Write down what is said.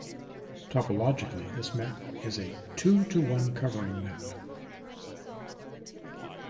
Topologically, this map is a two-to-one covering map.